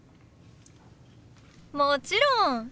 もちろん。